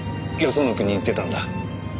その国行ってたんだ。